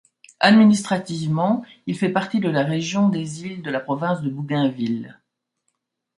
Administrativement, il fait partie de la région des Îles de la province de Bougainville.